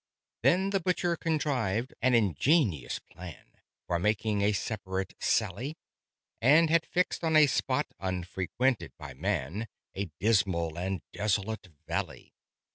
Then the Butcher contrived an ingenious plan For making a separate sally; And had fixed on a spot unfrequented by man, A dismal and desolate valley.